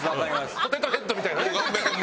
ポテトヘッドみたいなね。